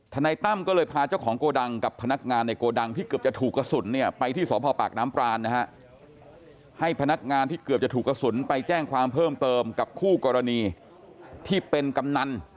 นายตั้มก็เลยพาเจ้าของโกดังกับพนักงานในโกดังที่เกือบจะถูกกระสุนเนี่ยไปที่สพปากน้ำปรานนะฮะให้พนักงานที่เกือบจะถูกกระสุนไปแจ้งความเพิ่มเติมกับคู่กรณีที่เป็นกำนัน